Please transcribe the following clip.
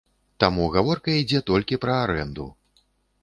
Таму гаворка ідзе толькі пра арэнду.